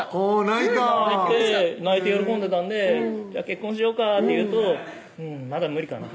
泣いた泣いて喜んでたんで「じゃあ結婚しようか」って言うと「うんまだ無理かな」